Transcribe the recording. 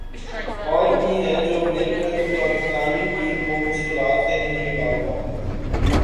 اور بھی ہیں جو مل کر بھی پاکستانی ٹیم کو مشکلات سے نہیں نکال پاتے ۔